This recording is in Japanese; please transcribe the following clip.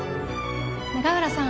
永浦さん